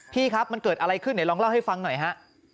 พี่ครับมันเกิดอะไรขึ้นไหนลองเล่าให้ฟังหน่อยฮะ